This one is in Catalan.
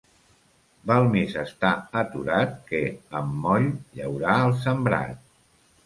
Val més estar aturat que, amb moll, llaurar el sembrat.